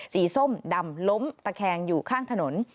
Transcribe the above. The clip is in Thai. ส้มดำล้มตะแคงอยู่ข้างถนน